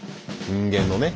人間のね。